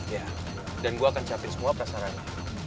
iya dan gue akan capai semua persaraannya